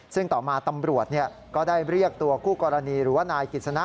ซึ่งต่อมาตำรวจก็ได้เรียกตัวคู่กรณีหรือว่านายกิจสนะ